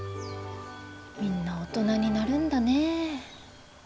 みんな大人になるんだね。